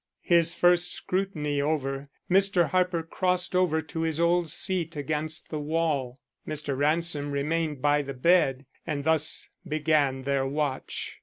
His first scrutiny over, Mr. Harper crossed over to his old seat against the wall. Mr. Ransom remained by the bed. And thus began their watch.